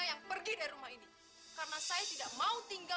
sampai jumpa di video selanjutnya